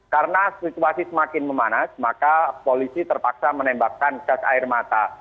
karena situasi semakin memanas maka polisi terpaksa menembakkan gas air mata